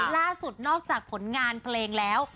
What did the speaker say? ล่าสุดนอกจากผลงานเพลงแล้ว